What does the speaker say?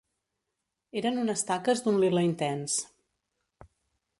Eren unes taques d'un lila intens.